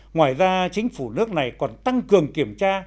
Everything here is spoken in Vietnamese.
ngoài ra chính phủ nước này còn tăng cường kiểm tra